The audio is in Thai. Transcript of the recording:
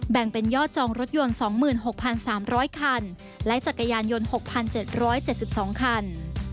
แบ่งเป็นยอดจองรถยนต์สองหมื่นหกพันสามร้อยคันและจักรยานยนต์หกพันเจ็ดร้อยเจ็ดสิบสองคัน